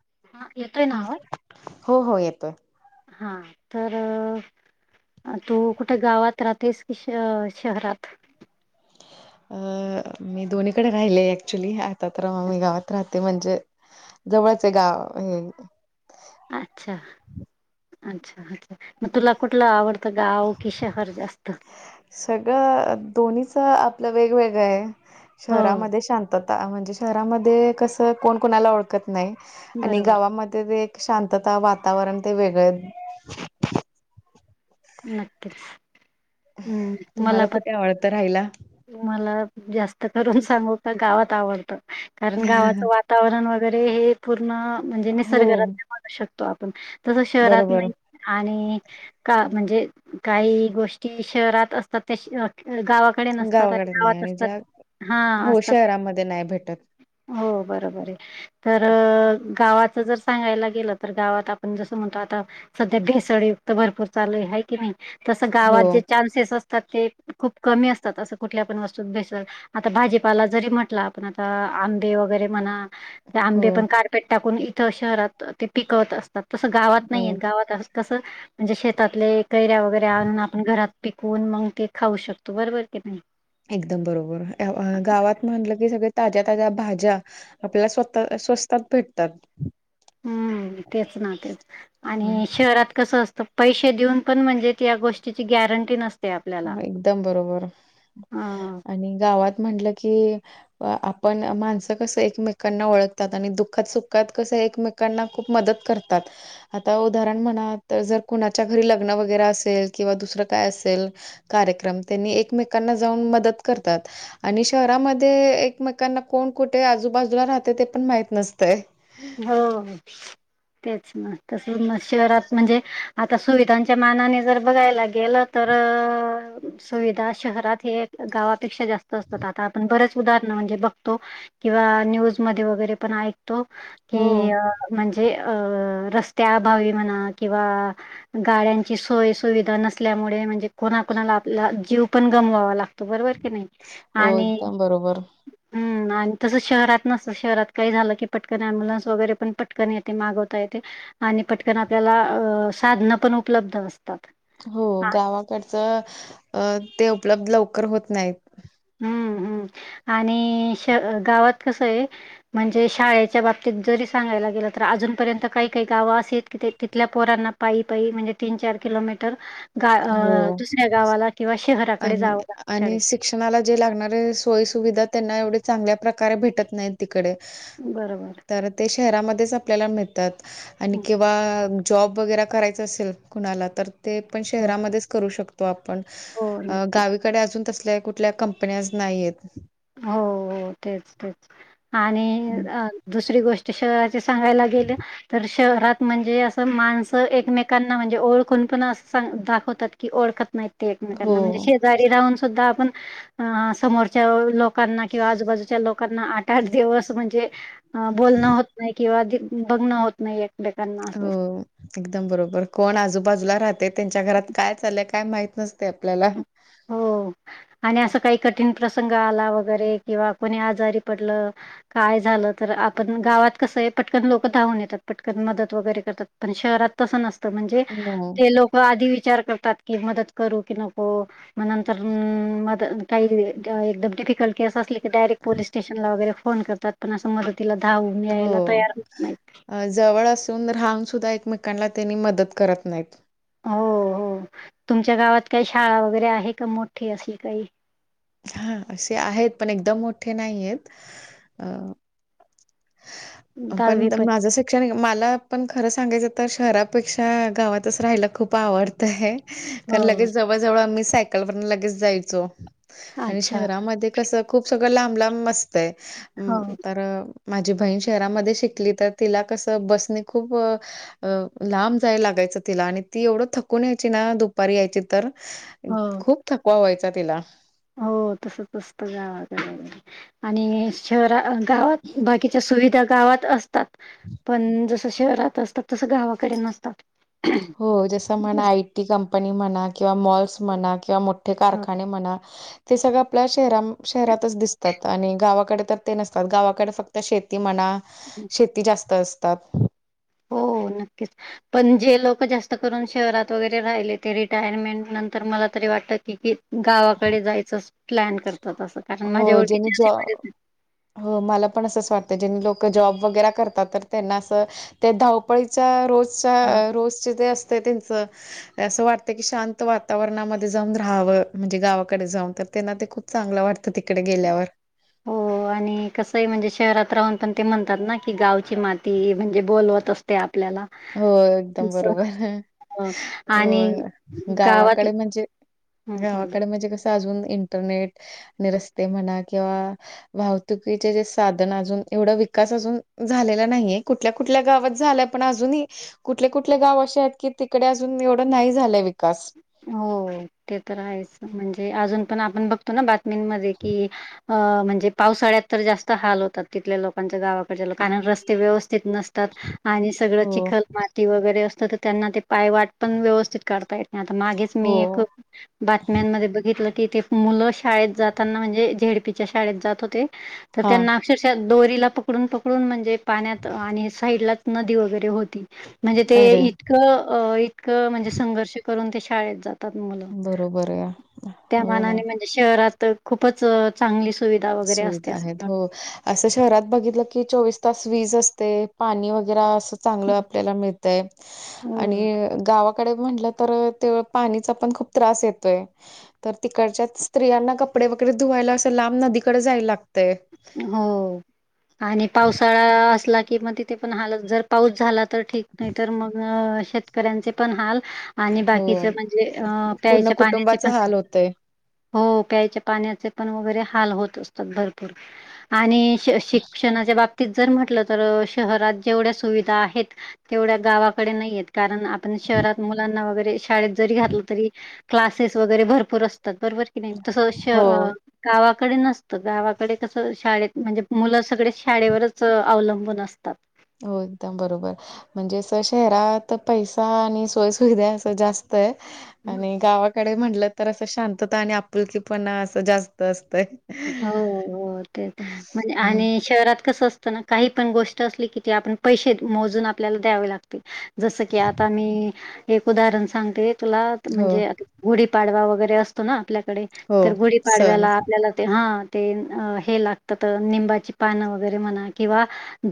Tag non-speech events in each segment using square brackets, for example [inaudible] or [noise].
हा येतोय ना हा आवाज हो हो येतोय. हा तर तू कुठे गावात राहतेस की श शहरात अ मी दोन्हीकडे राहिले ऍक्च्युली आता तर मी गावात राहते ते म्हणजे जवळचे गाव हे अच्छा अच्छा अच्छा मग तुला कुठला आवडत गाव की शहर जास्त सगळं दोन्हीच आपलं वेगवेगळं आहे हो शहरामध्ये शांतता आ म्हणजे शहरामध्ये कस कोण कोणाला ओळखत नाही आणि बरोबर गावामध्ये ते ऐकता शांतता वातावरण ते वेगळे नक्कीच हम्म मला पण आवळत राहिला मला जास्त करून सांगू का गावात आवडतं कारण गावाचं वातावरण वगैरे हे पूर्ण म्हणजे हो. निसर्गरम्यू बनु शकत तो आपण तस शहरात बरोबर नाही आणि का म्हणजे काही गोष्टी शहरात असतात त्या अ गावाकडे गावाकडे नाही गावात आणि असतात ज्या हा हो असतात शहरामध्ये नाही भेटत हो बरोबर आहे तर गावाच जर सांगायला गेलं तर गावात आपण जसं म्हणतो आता सध्या भेसळयुक्त भरपूर चालूय हाय की नाही तसं हो गावात जे चान्सेस असतात ते खूप कमी असतात असं कुठल्या पण वस्तूत भेसल आता भाजीपाला जरी म्हटलं आपण आता आंबे वगैरे म्हणा हो आंबे पण कारपेट टाकून इथं शहरात ते पिकवत असतात तसं गावात हो नाहीय गावात तसं म्हणजे शेतातले कैऱ्या वगैरे आणून आपण घरात पिकवून मग ते खाऊ शकतो बरोबर की नाही? एकदम बरोबर गावात म्हटलं की सगळे ताज्या ताज्या भाज्या आपल्याला स्वतः स्वस्तात भेटतात. हम्म तेच ना तेच हं. आणि शहरात कसं असतं? पैसे देऊन पण म्हणजे त्या गोष्टीची गॅरंटी नसते. आपल्याला. एकदम बरोबर हो. आणि गावात म्हटलं की आपण माणसं कसं एकमेकांना ओळखतात आणि दुःखात सुखात कसं एकमेक एकमेकांना खूप मदत करतात. आता उदाहरण म्हणा तर जर कुणाच्या घरी लग्न वगैरे असेल किंवा दुसरं काय असेल कार्यक्रम त्यांनी एकमेकांना जाऊन मदत करतात. आणि शहरामध्ये एकमेकांना कोण कुठे आजूबाजूला राहते ते पण माहित नसतं. हो. तेच मग तस शहरात म्हणजे आता सुविधांच्या मानाने जर बघायला गेलं तर सुविधा शहरात हे गावापेक्षा जास्त असतात आता आपण बरेच उदाहरण म्हणजे बघतो. किं न्यूज मध्ये वगैरे ऐकतो हो, की म्हणजे जे अ रस्त्या अभावी म्हणा किंवा गाड्यांची सोय सुविधा नसल्यामुळे म्हणजे कोणाकणाला आपला जीव पण गमवावा लागतो.. त बरोबर की नाही हो. आणि एकदम बरोबर. हम्म आणि तस शहरात नसत शहरात काही झालं की पटकन अम्बुलनस वगैरे पण पटकन येते मागवता येते. आणि पटकन आपल्याला अ साधनं पण उपलब्ध असतात. हो हां. गावाकडचं अ ते उपलब्ध लवकर होत नाहीत. हं, हं आणि श गावात कस आहे? म्हणजे शाळेच्या बाबतीत जरी सांगायला गेलं तर, अजूनपर्यंत काही काही गावं असे की तिथल्या पोरांना पायी पायी म्हणजे तीन चार किलोमीटर गा हो दुसऱ्या गावाला किंवा शहराकडे आणि जावं लागत आणि शाळेत. शिक्षणाला जे लागणारे सोयी सुविधा त्यांना एवढ चांगल्या प्रकारे भेटत नाही तिकडे. बरोबर. तर ते शहरामध्येच आपल्याला मिळतात आणि हो, किंवा जॉब वगैरे करायचं असेल कुणाला तर ते पण हो. शहरामध्येच करू शकतो. आपण हो, नक्कीच. गावीकडे अजून तसल्या कुठल्या कंपन्या नाहीेत. हो हो तेच तेच आणि हं. दुसरी गोष्ट तश ते सांगायला गेले तर शहरात म्हणजे असं माणसं एकमेकांना म्हणजे ओळखून पण असां दाखवतात की ओळखत माहि हो एकमेकांना म्हणजे शेजारी राहून सुद्धा आपण समोरच्या लोकांना किंवा आजूबाजूच्या लोकांना आठ आठ दिवस म्हणजे बोलणं होत नाही किंवा बघणं होत नाही एकमेकांना असं. हो एकदम बरोबर कोण आजूबाजूला राहते त्यांच्या घरात काय चाललंय काय माहत नसते आपल्याला. हो. आणि असं काही कठीण प्रसंग आला वगैरे किंवा कोणी आजारी पडलं. काय झालं तर आपण गावात कसं आहे पटकन लोकं धावून येतात पटकन मदत वगैरे करतात पण शहरात तस नसतं म्हणजे हो ते लोक आधी विचार करतात की मदत करू की न हो मग नंतर म काही एकदम डिफिकल्ट केस आसली ते डायरेक्ट पोलीस स्टेशनला वगैरे फोन करतात पण असं मदतीला धावून यायला हो तयार होत नाहीत. अ जवळ असून राहून सुद्धा एकमेकांना त्यांनी मदत करत नाहीत. हो हो तुमच्या गावात काही शाळा वगैरे आहे का मोठी अशी काही? हा असे आहेत पण एकदम मोठे नाही आहेत अ पण पण माझ्यासाठ मला पण खरं सांगायचं तर शहरापेक्षा गावातच राहायला खूप आवडतंय. कारण हो, लगेच जवळ जवळ आम्ही सायकलवर लगेच जायचो आणि अच्छा. शहरामध्ये कस खूप सगळं लांब लांब आस्तय म हो. तर माझी बहीण शहरामध्ये शिकली तर तिला कसं बसणे खूप अ लांब जाय लागायचं तिला आणि ती एवढं थकून यायची ना दुपारी यायची तर हो. खूप थकवा व्हायचा तिला हो तसच असत गाव कड आणि शहरा गावात बाकीच्या सुविधा गावात असतात पण जस शहरात असता तसं गावाकडे नसतात. हो जस म्हणा आय. टी. कंपनी म्हणा किंवा मॉल्स म्हणा किंवा अ, कारखाने म्हणा ते सगळं आपल्या शहरान -शहरातच दिसतात आणि गावाकडे तर ते नसतात गावाकडे फक्त शेती म्हणा शेती जास्त असतात. हो नक्कीच. पण जे लोक जास्त करून शहरात वगैरे राहिले ते रिटायरमेंट नंतर मला तरी वाटत की- की गावाकडे जायचं प्लॅन करतात असं कारण माझ्या हो ज्यांनी ओळखीचे असे जॉ बरेच झन मला पण असंच वाटतं ज्यांनी लोक जॉब वगैरे करतात तर त्यांना असं ते धाव पईचा अ, रोजचा रोजच ते असतय त्यांचं असं वाटतं की शांत वातावरणामध्ये जाऊन राहावं म्हणजे गावाकडे जाऊन तर त्यांना ते खूप चांगलं वाटतं तिकडे गेल्यावर. हो [inaudible] आणि कसंही म्हणजे शहरात राहून पण ते म्हणतात ना की गावची माती म्हणजे बोलवत असते आपल्याला. हो एकदम तसं. बरोबर. हो. आणि हो गावात गावाकडे म्हणजे हम्म हम्म गावाकडे म्हणजे कस ते अजून इंटरनेट आणि रस्ते म्हणा किंवा वाहतुकीचे जे साधन अजून एवढा विकास अजून झालेला नाहीये कुठ कुठल्या कुठल्या गावात झाल्या पण अजूनही कुठले कुठले गाव अशे आहेत की तिकडे अजून एवढं नाही झालंय विकास. हो ते तर आहेच म्हणजे अजून पण आपण बघतो ना बातमीनमध्ये कि अ म्हणजे पावसाळ्यात तर जास्त हाल होतात तिथल्या लोकांच्या गावाकडच्या लोकन रस्त ते व्यवस्थित नसतात आणि सगळं हो चिखल माती वगैरे असतंत ते त्यांना ते पायवाट पण व्यवस्थित काढता येत नाही आता मागेच मी हो एक बातम्यांमध्ये बघितलं की ते मुलं शाळेत जाताना म्हणजे झे ड पीच्या शाळेत जात होते तर हा त्याना अक्षरश दोरीला पकडून पकडून म्हणजे पाण्यात आणि साईडलाच नदी वगैरे होती म्हणजे ते अरे इतकं इतकं म्हणजे संघर्ष करून ते शाळेत जातात मुलं बरोबर आहे त्या हो ना. मानाने म्ह शहरात तर खूपच चांगली सुविधा वगैरे असते सुविधा आहेत असणार. हो असं शहरात बघितलं की चोवीस तास वीज असते पाणी वगैर अस चांगल आपल्याला मिळतय आणि हो. गावा डे म्हटलं तर तेव पाणीचा पण खूप त्रास येतोय. तर तिकडच्या स्त्रियांना कपडे वगैरे धुवायला असं लांब नदीकडे जायला लाग हो आणि पावसाळा असला कि मग तिथे पण हालत जर पाऊस झाला तर ठीक नाही तर मग शेतकऱ्यांचे पण हाल आणि हो बाकीच म्हणजे अ पूर्ण प्यायच्या पाण्याचे कुटुंबाचा पण हाल होतय हो प्यायच्या पाण्याचे पण वगैरे हाल होत असतात भरपुर. आणि श शिक्षणाच्या बाबतीत जर म्हटलं तर शहरात जेवढ्या सुविधा आहेत तेवढ्या गावाकडे नाहीयेत. कारण आपण शहरात मुलांना वगैरे शाळेत जरी घातलं तरी क्लासेस वगैरे भरपूर असतात बरोबर की नाही हो तसं गावाकडे नसतं गावात. गावाकडे कस शाळेत म्हणजे मुलं सगळे शाळेवरच अवलंबून असतात. हो एकदम बरोबर. म्हणजे अस शहरात पैसा आणि सोयसुविधा असं जास्त आहे. आणि गावाकडे म्हणलं तर असं शांतता आणि आपुलकीपणा असं जास्त असतय. हो हो तेच हं, म्हणजे हं. आणि शहरात कसं असतं ना. काही पण गोष्ट असली की ते आपण पैसे मोजून आपल्याला द्यावे लागतील. जसं की आता मी एक उदाहरण सांगते तुला हो, म्हणजे. गुढीपाडवा वगैरे असतो ना आपल्याकडे हो. तर गुढीपाडव्याला सण. आपल्याला. हा ते हे लागतात निंबाची पान वगैरे म्हणा किंवा,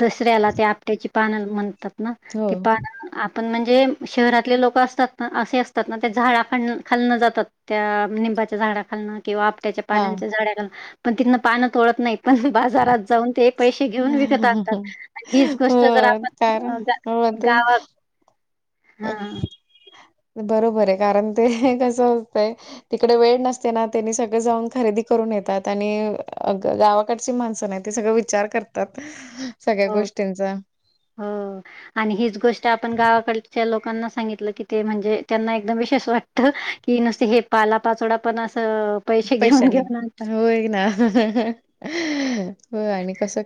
दसऱ्याला ते आपट्याची पानं म्हणतात ना हो. ते पान. आपण म्हणजे शहरातले लोक असतात ना असे असतात ना ते झाडा खालनं जातात. त्या निंबाच्या झाडाणं किंवा. तेच हां. पानाच्या झाडाखाली पण तिथं पानं तोडत नाहीत पण बाजारात जाऊन. ते पैसे घेऊन विकत आणतात हो, आणि हीच गोष्ट जर कारण आपण हो ते गावात. हां. बरोबर आहे कारण ते कसं होतंय. तिकडे वेळ नसते ना त्यांनी सगळे जाऊन खरेदी करून येतात आणि गावा. गावाकडची माणसं नाही ते सगळं विचार करतात सगळ्या हो, गोष्टींचा. हो. आणि हीच गोष्ट आपण गावाकडच्या लोकांना सांगितलं की ते म्हणजे त्यांना एकदम विशेष वाटत. की नुसते हे पालापाचोळा पण असं पैसे घेऊन घेऊन आणतात. हो आणि कसं.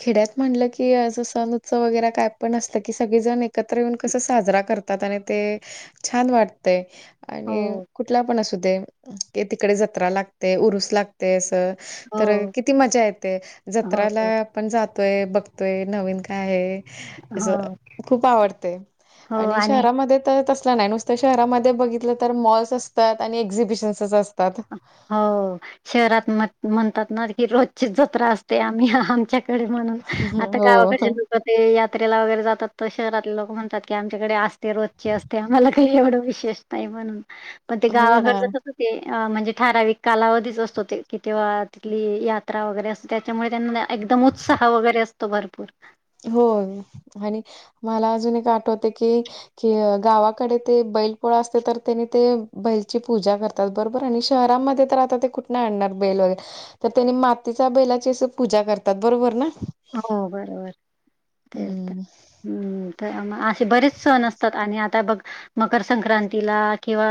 खेड्यात म्हणलं की अस सण उत्सव वगैरे काय पण असत की सगळी जण एकत्र येऊन कसं साजरा करतात. जातात आणि ते छान वाटतय. आणि हो, कुठला पण असू दे की तिकडे जत्रा लागते, उरूस लागते, असं. हो, तर किती मजा येते हो, जत्राला. पण जातोय बघतोय नवीन काय आहे. अस हो, खूप आवडते आणि शहरामध्ये तर तसला नाही नुसता. शहरामध्ये बघितलं तर मॉल्स असतात आणि एक्झिबिशन्सच असतात. हो शहरात म्हणतात ना की रोजची जत्रा असते आम्ही आमच्या. डे म्हणून आता हो गावाकडे ते यात्रेला वगैरे जातात तर शहरातले लोक म्हणतात की आमच्याकडे असते रोजचे असते आम्हाला काही एवढं विशेष नाहीही म्हणून पण ते हो ना गावाकड ज अस हो ते अ म्हणजे ठराावीिक कालावधीच असतो ते की तेव्हा तिथली यात्रा वगैरे असते त्याच्यामुळे त्यांना एकदम उत्साह वगैरे असतो भरपूर हो, आणि मला अजून एक आठवत की. कि गावाकडे ते बैल पोळा असते तर त्यानी ते बैलची पूजा करतात. बरोबर आणि शहरामध्ये तर आता ते कुठन आणणार बैल वगैरे. तर त्यांनी मातीच्या बैलाची अस पूजा करतात बरोबर ना. हो बरोबर, तेच. हम्म बरेच सण असतात आणि आता बघ मकर संक्रांतीला किंवा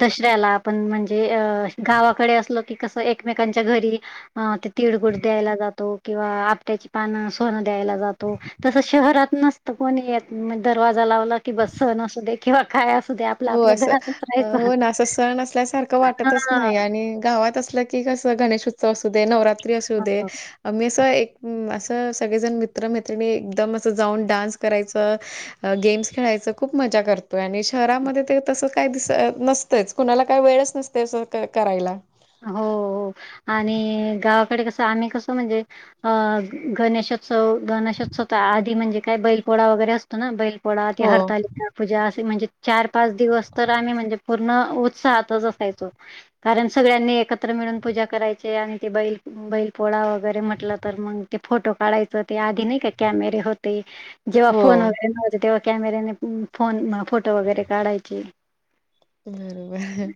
दसऱ्याला. पण म्हणजे अ गावाकडे असलो की कसं एकमेकांच्या घरी. अ ते तिळगुळ द्यायला जातो किंवा. आपट्याची पानं सोनं द्यायला जातो तस शहरात नसतं कोणी येत. मग दरवाजा लावला की सण असूदे. हो अस राहायचं हो ना अस सण असल्यासारखं वाटतच नाही हां. आणि गावात अस. ती कस गणेशोत्सव असू दे नवरात्री असू दे. मी असं एक असं सगळेजण मित्रमैत्रिणी एकदम असं जाऊन डान्स करायचं. गेम्स खेळायचं खूप मजा करतोय आणि शहरामध्ये ते तसं काही दिस नसतंच कुणाला काही वेळच नसते असं करायला हो हो आणि गावाकडे कसं आम्ही कसं म्हणजे अ गणेशो स गणेशोत्सव आधी म्हणजे काय बैलपोळा वगैरे असतो ना बैलपोळा ती हो हरतालीका पूजा असे म्हणजे चार पाच दिवस तर आम्ही म्हणजे पूर्ण उत्साहातच असायचो कारण सगळ्यांनी एकत्र मिळून पूजा करायची आणि ती बैल बैल पोळा वगैरे म्हटलं तर मग ते फोटो काढायच आधी नाही का ते कॅमेरे होते जेव्हा फोन हो. वगैरे नव्हते तेव्हा कॅमेऱ्याने फोन फोटो वगैरे काढायचे बरोबर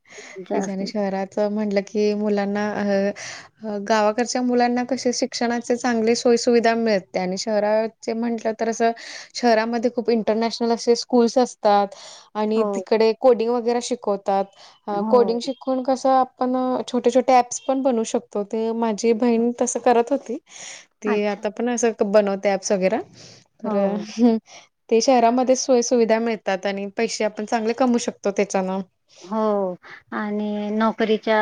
ते त्यांचं झालं असेल. शहरच म्हटलं की मुलांना अ अ गावाकडच्या मुलांना कसे शिक्षणाचे चांगली सोयी सुुविधा मिळते आणि शहरात जे म्हंटलं तर असं शहरामध्ये खूप इंटरनॅशनल असे स्कूल्स असतात आणि हो, तिकडे कोडिंग वगैरे शिकवतात. हो. कोडिंग शीक कोण कसं आपण छोटे छोटे ॲप्स पण बनवू शकतो ते माझी बहीण तसं करत होती. ती अच्छा. आता पण असं बनवते ऍप्स वगैरे तर हो. ते शहरामध्ये सोय सुुविधा मिळतात आणि पैसे आपण चांगले कमू शकतो त्याच्यानं हो आणि नोकरीच्या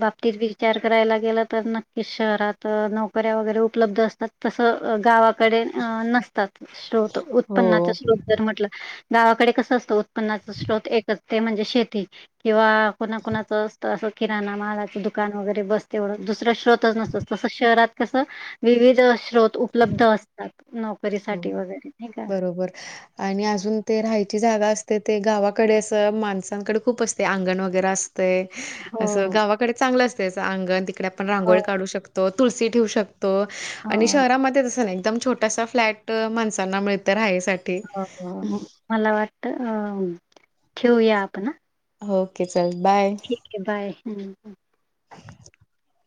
बाबतीत विचार करायला गेला तरन कि शहरात नोकऱ्या वगैरे उपलब्ध असतात तसं गावा कडे नसतात स्त्रोत उत्पन्नाचे हो, स्रोत म्हटल गावाकडे कसं असतं उत्पन्ना श्रोत एकच ते म्हणजे शेती किंवा कुणा कुणाच असत असं किराणा मालाचं दुकान वगैरे बस तेवढं दुसरे श्रोतच नसत तसं शहरात कसं विविध स्रोत उपलब्ध असतात नोकरीसाठी वगैरे नायीका बर आणि अजून ते राहायची जागा असते ते गावाकडे असं माणसांकडे खूप असते अंगण वगैरे असं तय हो गावाकडे चांगलं असतय असं अंगण तिकडे आपण हो रांगोळी काढू शकतो तुळशी ठेवू शक तो हो आणि शहरामध्ये तसं नाय एकदम छोटासा फ्लॅट माणसांना मिळतं राहायसाठी हो मला वाटतं अ ठेऊया आपण ओके चल बाय ठीकय बाय हं [inaudible]